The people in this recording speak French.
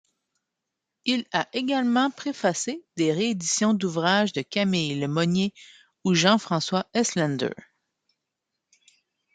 Il a également préfacé des rééditions d'ouvrages de Camille Lemonnier ou Jean-François Elslander.